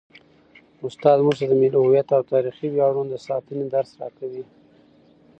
استاد موږ ته د ملي هویت او تاریخي ویاړونو د ساتنې درس راکوي.